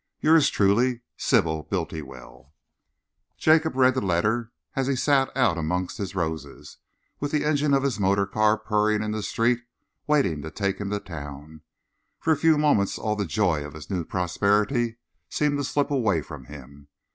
Yours truly, Sybil Bultiwell. Jacob read the letter as he sat out amongst his roses, with the engine of his motor car purring in the street, waiting to take him to town. For a few moments all the joy of his new prosperity seemed to slip away from him.